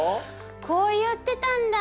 こう言ってたんだ！